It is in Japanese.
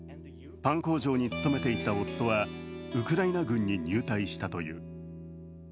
パン工場に勤めていた夫はウクライナ軍に入隊したという。